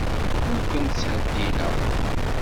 Ur ken-ttheddineɣ.